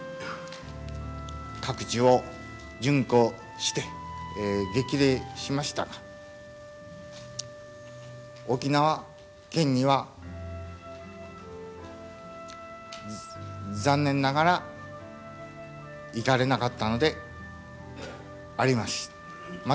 各地を巡幸して、激励しましたが、沖縄県には残念ながら行かれなかったのであります。